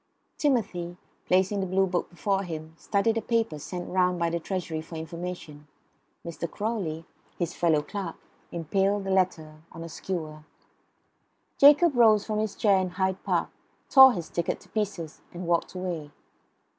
Timothy, placing the Blue book before him, studied a paper sent round by the Treasury for information. Mr. Crawley, his fellow clerk, impaled a letter on a skewer. Jacob rose from his chair in Hyde Park, tore his ticket to pieces, and walked away.